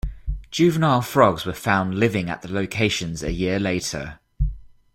Juvenile frogs were found living at the locations a year later.